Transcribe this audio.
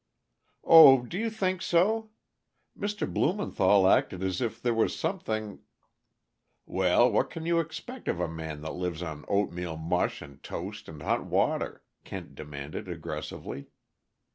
"Oh, do you think so? Mr. Blumenthall acted as if there was something " "Well, what can you expect of a man that lives on oatmeal mush and toast and hot water?" Kent demanded aggressively.